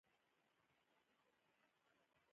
افریقایي متل وایي د ځان مینه د نورو مینه ده.